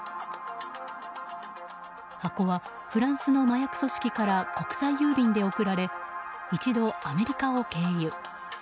箱はフランスの麻薬組織から国際郵便で送られ一度、アメリカを経由。